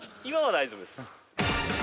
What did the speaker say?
今は大丈夫です。